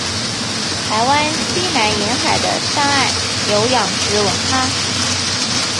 台湾西南沿海的沙岸有养殖文蛤。